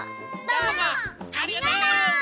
どうもありがとう！